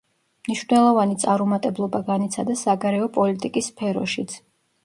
მნიშვნელოვანი წარუმატებლობა განიცადა საგარეო პოლიტიკის სფეროშიც.